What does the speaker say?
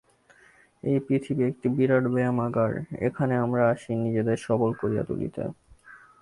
এই পৃথিবী একটি বিরাট ব্যায়ামাগার, এখানে আমরা আসি নিজেদের সবল করিয়া তুলিতে।